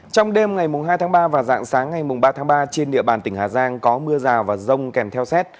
trong đêm ngày hai tháng ba và dạng sáng ngày ba tháng ba trên địa bàn tỉnh hà giang có mưa rào và rông kèm theo xét